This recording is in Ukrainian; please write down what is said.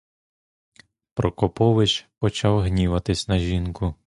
Прокопович почав гніватись на жінку.